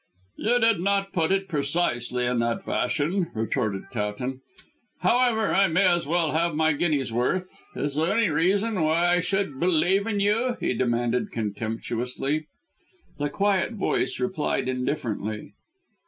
"You did not put it precisely in that fashion," retorted Towton. "However, I may as well have my guinea's worth. Is there any reason why I should believe in you?" he demanded contemptuously. The quiet voice replied indifferently.